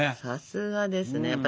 さすがですね。